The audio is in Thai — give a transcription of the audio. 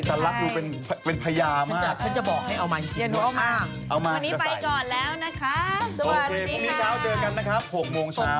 สวัสดีค่ะโอเคพรุ่งนี้เจอกัน๖โมงเช้า